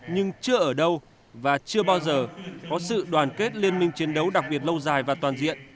nhưng chưa ở đâu và chưa bao giờ có sự đoàn kết liên minh chiến đấu đặc biệt lâu dài và toàn diện